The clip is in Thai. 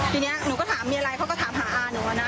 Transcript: ทีนี้หนูก็ถามมีอะไรเขาก็ถามหาอาหนูแล้วนะ